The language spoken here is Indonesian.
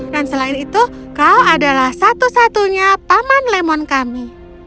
dan selain itu kau adalah satu satunya paman lemon kami